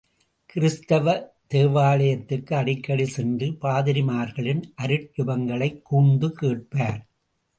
கிறித்துவத் தேவாலயத்துக்கு அடிக்கடி சென்று பாதிரிமார்களின் அருட் ஜெபங்களைக் கூர்ந்து கேட்பார்!